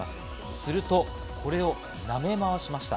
すると、これを舐めまわしました。